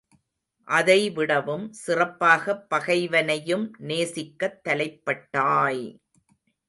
அதைவிடவும், சிறப்பாகப் பகைவனையும் நேசிக்கத் தலைப்பட்டாய்!